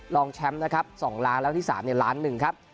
รองแชมป์นะครับ๒ล้านแล้วที่๓ล้านหนึ่งครับ